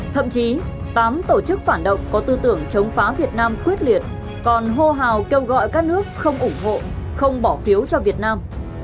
thậm chí tám tổ chức phản động có tư tưởng chống phá việt nam quyết liệt còn hô hào kêu gọi các nước không ủng hộ không bỏ phiếu cho việt nam